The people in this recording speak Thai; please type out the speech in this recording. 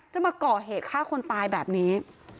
จะมาก่อเหตุฆ่าคนตายแบบนี้